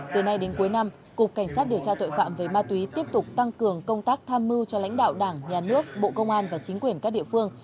từ nay đến cuối năm cục cảnh sát điều tra tội phạm về ma túy tiếp tục tăng cường công tác tham mưu cho lãnh đạo đảng nhà nước bộ công an và chính quyền các địa phương